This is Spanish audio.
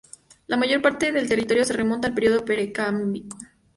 La mayor parte del territorio se remonta al periodo precámbrico.